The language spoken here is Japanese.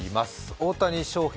大谷翔平